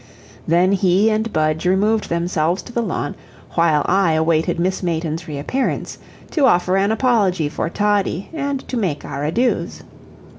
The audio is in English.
Then he and Budge removed themselves to the lawn, while I awaited Miss Mayton's reappearance, to offer an apology for Toddie, and to make our adieus.